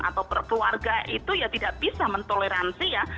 atau keluarga itu ya tidak bisa mentoleransi ya